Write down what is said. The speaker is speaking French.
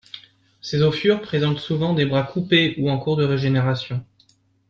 Ces ophiures présentent souvent des bras coupés ou en cours de régénération.